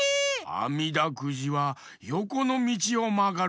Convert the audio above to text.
あみだくじはよこのみちをまがるべし！